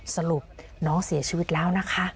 สรุปน้องเสียชีวิตแล้วนะคะ